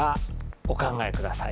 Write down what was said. お考えください。